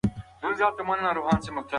زه هره ورځ د خبرونو لپاره ټویټر ګورم.